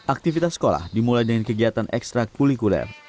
aktivitas sekolah dimulai dengan kegiatan ekstra kulikuler